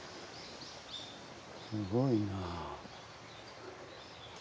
すごいなぁ。